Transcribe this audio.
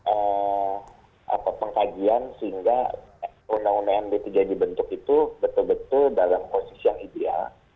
ada pengkajian sehingga undang undang md tiga dibentuk itu betul betul dalam posisi yang ideal